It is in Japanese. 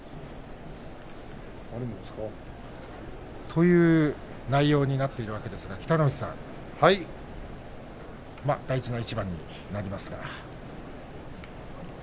という内容になっているわけですが北の富士さん大事な一番になりますが。